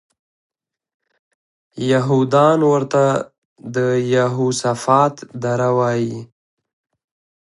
یهودان ورته د یهوسفات دره وایي.